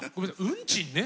運賃ね。